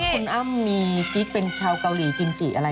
คุณอ้ำมีกิ๊กเป็นชาวเกาหลีกิมจิอะไร